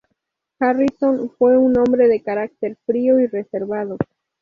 Harrison fue un hombre de carácter frío y reservado.